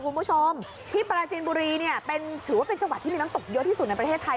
คุณผู้ชมที่ปราจินบุรีเนี่ยถือว่าเป็นจังหวัดที่มีน้ำตกเยอะที่สุดในประเทศไทย